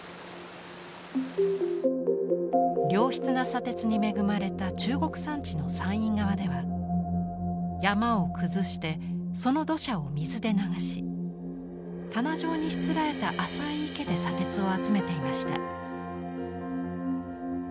良質な砂鉄に恵まれた中国山地の山陰側では山を崩してその土砂を水で流し棚状にしつらえた浅い池で砂鉄を集めていました。